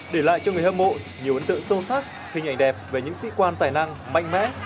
để lại cho người hâm mộ nhiều ấn tượng sâu sắc hình ảnh đẹp về những sĩ quan tài năng mạnh mẽ